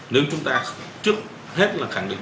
nếu chúng ta trước hết là khẳng định